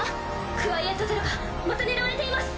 クワイエット・ゼロがまた狙われています。